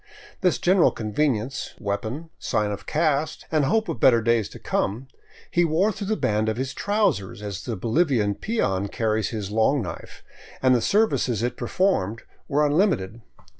This general con venience, weapon, sign of caste, and hope of better days to come, he wore through the band of his trousers, as the Bolivian peon carries his long knife, and the services it performed were unlimited.